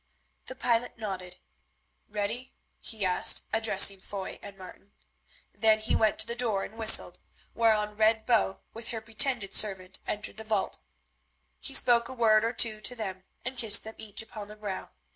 The pilot nodded. "Ready?" he asked, addressing Foy and Martin. Then he went to the door and whistled, whereon Red Bow with her pretended servant entered the vault. He spoke a word or two to them and kissed them each upon the brow.